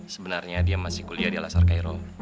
sebenarnya dia masih kuliah di alsar cairo